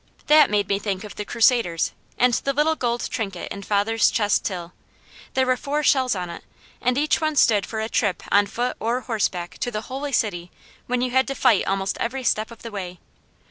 That made me think of the Crusaders, and the little gold trinket in father's chest till. There were four shells on it and each one stood for a trip on foot or horseback to the Holy City when you had to fight almost every step of the way.